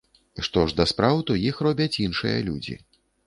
Што ж да спраў, то іх робяць іншыя людзі.